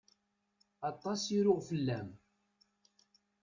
Aṭas i ruɣ fell-am.